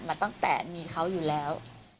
มาตั้งแต่มีเขาอยู่แล้ว